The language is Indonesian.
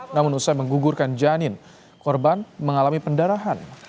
namun usai menggugurkan janin korban mengalami pendarahan